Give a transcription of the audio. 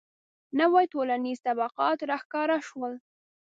• نوي ټولنیز طبقات راښکاره شول.